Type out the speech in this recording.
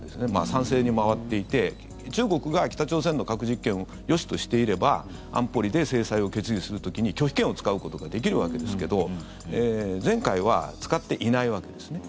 賛成に回っていて中国が北朝鮮の核実験をよしとしていれば安保理で制裁を決議する時に拒否権を使うことができるわけですけど前回は使っていないわけですね。